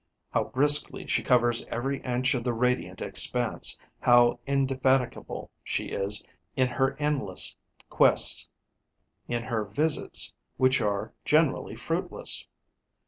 How briskly she covers every inch of the radiant expanse, how indefatigable she is in her endless quests; in her visits, which are generally fruitless!